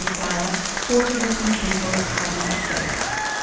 of flour, 1/4 teaspoonful of carbonate of soda.